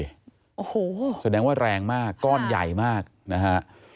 โอ้โหแสดงว่าแรงมากก้อนใหญ่มากนะฮะ